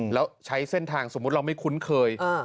แล้วใช้เส้นทางสมมุติเราไม่คุ้นเคย